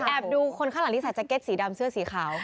ดูคนข้างหลังที่ใส่แก๊ตสีดำเสื้อสีขาว